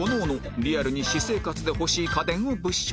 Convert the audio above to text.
リアルに私生活で欲しい家電を物色